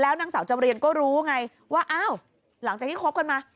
นางสาวจำเรียนก็รู้ไงว่าอ้าวหลังจากที่คบกันมา